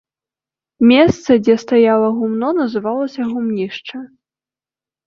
Месца, дзе стаяла гумно, называлася гумнішча.